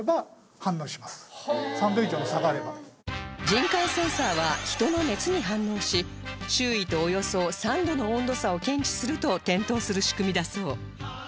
人感センサーは人の熱に反応し周囲とおよそ３度の温度差を検知すると点灯する仕組みだそう